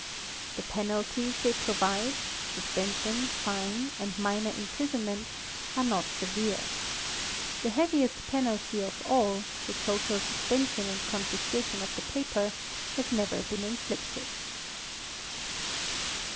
The penalties they provide—suspension, fine, and minor imprisonment—are not severe. The heaviest penalty of all, the total suspension and confiscation of the paper, has never been inflicted.